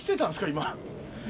今。